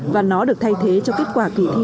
và nó được thay thế cho kết quả kỳ thi